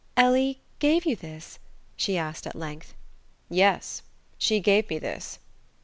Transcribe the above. "Ellie gave you this?" she asked at length. "Yes. She gave me this."